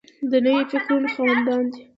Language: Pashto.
د نویو فکرونو خاوندان دي.